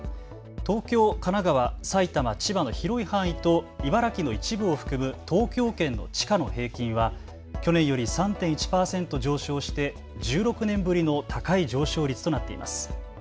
東京、神奈川、埼玉、千葉の広い範囲と茨城の一部を含む東京圏の地価の平均は去年より３．１％上昇して１６年ぶりの高い上昇率となっています。